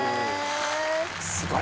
すごい！